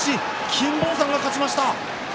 金峰山が勝ちました。